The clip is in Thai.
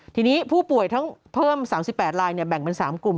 ทีนี้ผู้ป่วยทั้งเพิ่ม๓๘ลายแบ่งเป็น๓กลุ่ม